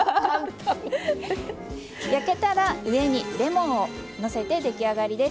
焼けたら上にレモンをのせて出来上がりです。